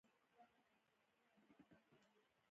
• د بم چاودنې ږغ ډېر خطرناک وي.